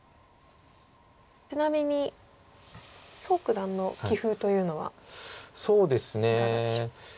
ちなみに蘇九段の棋風というのはいかがでしょうか？